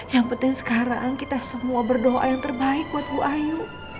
yang penting sekarang kita semua berdoa yang terbaik buat bu ayu